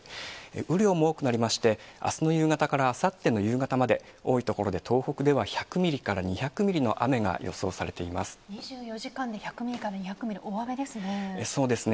雨量も多くなりまして、あすの夕方からあさっての夕方まで、多い所で東北では１００ミリから２００ミリの雨が予想されていま２４時間で１００ミリからそうですね。